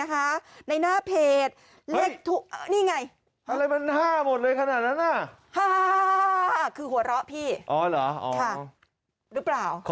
หรือเปล่า